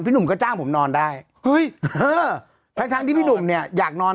หนุ่มก็จ้างผมนอนได้เฮ้ยทั้งที่พี่หนุ่มเนี่ยอยากนอน